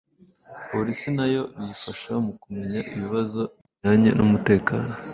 Polisi nayo biyifasha mu kumenya ibibazo bijyanye n’umutekano